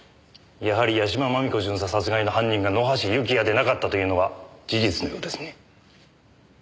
やはり屋島真美子巡査殺害の犯人が野橋幸也でなかったというのは事実のようですね。